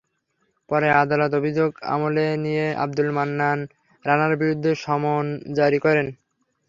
পরে আদালত অভিযোগ আমলে নিয়ে আবদুল মান্নান রানার বিরুদ্ধে সমন জারি করেন।